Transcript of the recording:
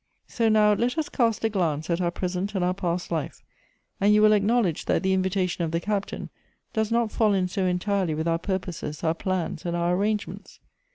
So now let us cast 6 G'oetiie's a glance at our present and our past life; and you will acknowledge that the invitation of the Captain docs not fall in so entirely with our purposes, our plans, and our arrangements.